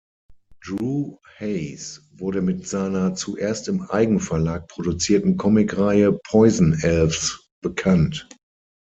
Drew Hayes wurde mit seiner zuerst im Eigenverlag produzierten Comicreihe "Poison Elves" bekannt.